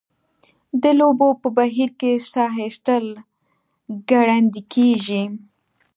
د لوبو په بهیر کې ساه ایستل ګړندۍ کیږي.